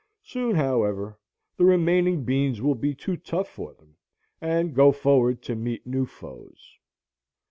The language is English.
Soon, however, the remaining beans will be too tough for them, and go forward to meet new foes.